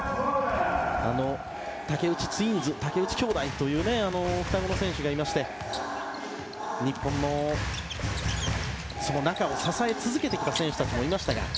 竹内ツインズ、竹内兄弟という双子の選手がいまして日本を支え続けてきた選手たちもいましたが。